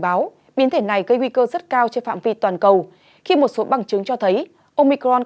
báo biến thể này gây nguy cơ rất cao trên phạm vi toàn cầu khi một số bằng chứng cho thấy omicron